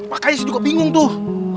pak kaya sih juga bingung tuh